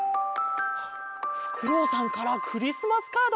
ふくろうさんからクリスマスカード？